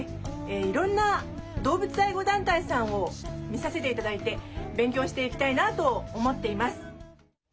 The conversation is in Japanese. いろんな動物愛護団体さんを見させて頂いて勉強していきたいなと思っています。